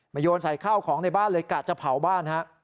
โยนใส่ข้าวของในบ้านเลยกะจะเผาบ้านฮะ